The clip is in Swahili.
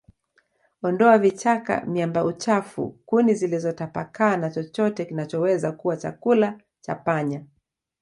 Ondoa vichaka miamba uchafu kuni zilizotapakaa na chochote kinachoweza kuwa chakula cha panya